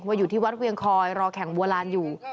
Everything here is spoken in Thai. อยู่ที่วัดเวียงคอยรอแข่งบัวลานอยู่